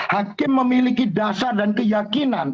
hakim memiliki dasar dan keyakinan